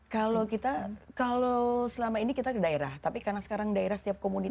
kalau kita kalau selama ini kita ke daerah tapi karena sekarang daerah setiap komunitas